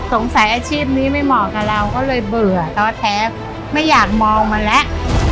สงสัยอาชีพนี้ไม่เหมาะกับเราก็เลยเบื่อต้นแท้ไม่อยากมองมันละ